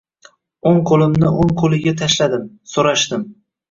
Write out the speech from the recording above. O‘ng qo‘limni o‘ng qo‘liga tashladim, so‘rashdim